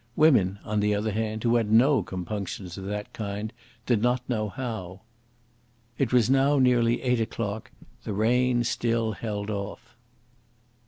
Women, on the other hand, who had no compunctions of that kind, did not know how. It was now nearly eight o'clock; the rain still held off.